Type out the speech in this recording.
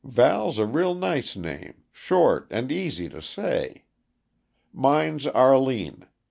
Val's a real nice name, short and easy to say. Mine's Arline.